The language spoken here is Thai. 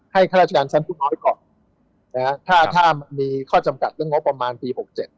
ให้ข้าราชการสั้นผู้น้อยก่อนถ้ามีข้อจำกัดประมาณปี๖๗